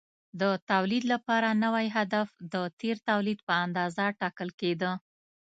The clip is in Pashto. د تولید لپاره نوی هدف د تېر تولید په اندازه ټاکل کېده.